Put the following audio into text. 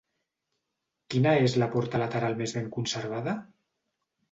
Quina és la porta lateral més ben conservada?